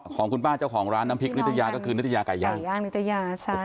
ของคุณป้าเจ้าของร้านน้ำพริกนิตยาก็คือนิตยาไก่ย่าไก่ย่างนิตยาใช่